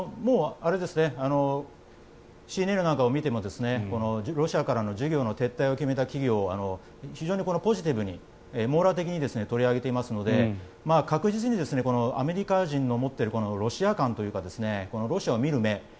ＣＮＮなんかを見てもロシアからの事業の撤退を決めた企業を非常にポジティブに網羅的に取り上げていますので確実にアメリカ人の持っているロシア観というかロシアを見る目